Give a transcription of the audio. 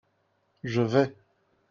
Je vais.